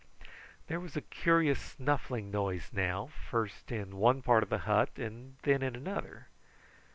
There was a curious snuffling noise now, first in one part of the hut, then in another.